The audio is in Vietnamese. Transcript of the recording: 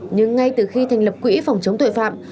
nhưng ngay từ khi thành lập quỹ phòng chống tội phạm